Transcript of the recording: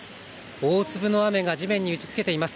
大粒の雨が地面に打ちつけています。